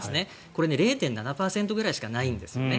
これは０．７％ぐらいしかないんですね。